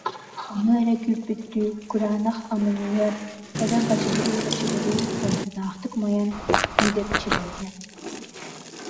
Ону эрэ күүппүттүү кураанах амынньыар, өрө бачыгырыы-бачыгырыы, омун- наахтык умайан күүдэпчилэннэ